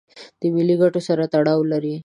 د ملي ګټو سره تړاو لري.